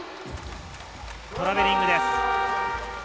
トラベリングです。